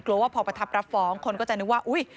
ว่าพอประทับรับฟ้องคนก็จะนึกว่าอุ๊ย